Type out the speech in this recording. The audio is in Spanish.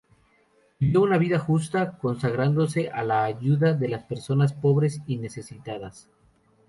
Vivió una vida justa, consagrándose a la ayuda de las personas pobres y necesitadas.